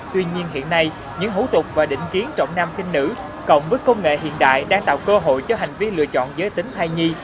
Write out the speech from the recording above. tuy nhiên hiện nay những hủ tục và định kiến trọng nam sinh nữ cộng với công nghệ hiện đại đang tạo cơ hội cho hành vi lựa chọn giới tính thai nhi